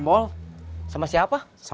nggak tau apa apa kayaknya